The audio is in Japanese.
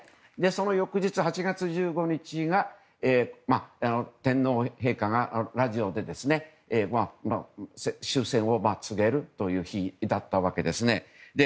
その翌日、８月１５日が天皇陛下がラジオで終戦を告げるという日だったわけです。